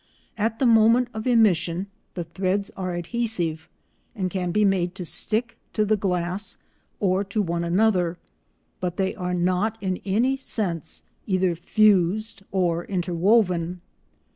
At the moment of emission the threads are adhesive, and can be made to stick to the glass or to one another, but they are not in any sense either fused or interwoven.